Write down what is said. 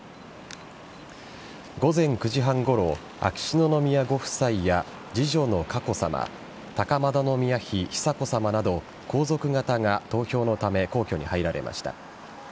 午前９時半ごろ、秋篠宮ご夫妻や次女の佳子さま高円宮妃久子さまなど皇族方が投票のため皇居に入られました。